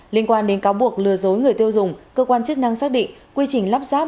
liên quan đến cáo buộc lừa dối người tiêu dùng cơ quan chức năng xác định quy trình lắp ráp